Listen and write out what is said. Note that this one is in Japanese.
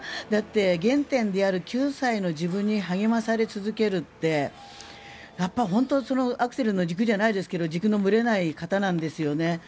だって、原点である９歳の自分に励まされ続けるってやっぱり本当にアクセルの軸じゃないですけど軸のぶれない方なんですよね。